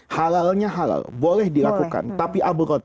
halalnya halal boleh dilakukan tapi abrodul halal